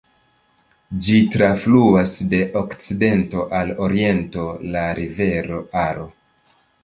Ĝi trafluas de okcidento al oriento la rivero Aro.